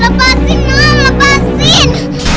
lepasin mam lepasin